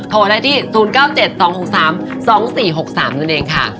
โทรได้ที่๐๙๗๒๖๓๒๔๖๓นั่นเองค่ะ